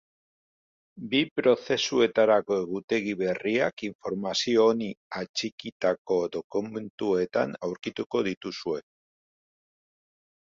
Bi prozesuetarako egutegi berriak informazio honi atxikitako dokumentuetan aurkituko dituzue.